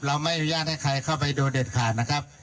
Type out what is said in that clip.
ไม่อนุญาตให้ใครเข้าไปโดยเด็ดขาดนะครับ